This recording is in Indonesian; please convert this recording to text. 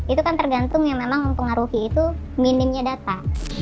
itu kan tergantung yang memang mempengaruhi itu minimnya data